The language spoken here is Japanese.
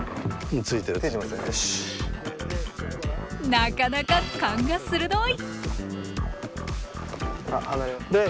なかなか勘が鋭い！